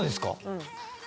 うん。